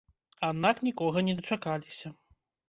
Аднак нікога не дачакаліся.